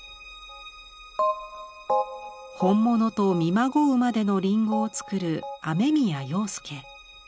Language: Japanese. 本物と見まごうまでのりんごを作る雨宮庸介。